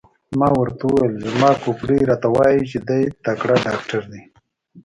ما ورته وویل: زما کوپړۍ راته وایي چې دی تکړه ډاکټر دی.